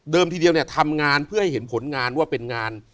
ทีเดียวเนี่ยทำงานเพื่อให้เห็นผลงานว่าเป็นงาน